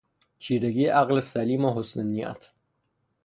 چیرگی عقل سلیم و حسن نیت